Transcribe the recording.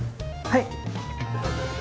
はい！